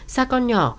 xa con nhỏ